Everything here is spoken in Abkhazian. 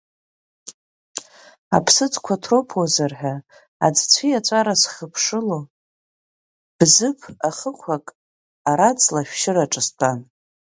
Аԥсыӡқәа ҭроԥуазар ҳәа аӡы цәиаҵәара схыԥшыло, Бзыԥ ахықәак араҵла ашәшьыраҿы стәан.